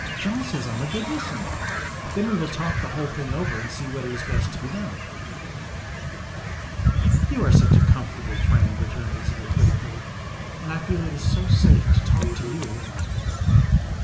''John says I am a good listener. Then we will talk the whole thing over and see what is best to be done." " You are such a comfortable friend," returned Isabel gratefully, " and I feel it is so safe to talk to you.